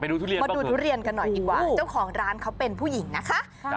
ทุเรียนมาดูทุเรียนกันหน่อยดีกว่าเจ้าของร้านเขาเป็นผู้หญิงนะคะ